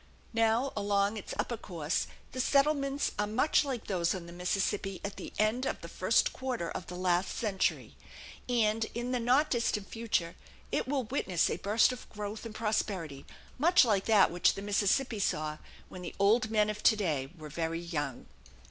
Now, along its upper course, the settlements are much like those on the Mississippi at the end of the first quarter of the last century; and in the not distant future it will witness a burst of growth and prosperity much like that which the Mississippi saw when the old men of today were very young.